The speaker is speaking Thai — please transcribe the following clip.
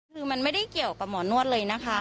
คือมันไม่ได้เกี่ยวกับหมอนวดเลยนะคะ